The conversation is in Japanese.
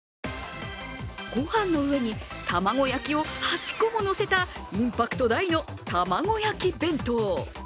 ご飯の上に玉子焼きを８個も乗せたインパクト大の玉子焼弁当。